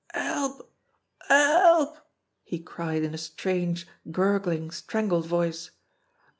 "Help! Help!" he cried in a strange, gurgling, strangled voice.